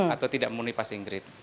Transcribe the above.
atau tidak memenuhi passing grade